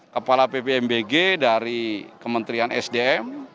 kepala pbmbg dari kementerian sdm